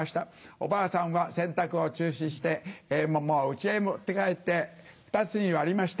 おばあさんは洗濯を中止して桃を家へ持って帰って２つに割りました。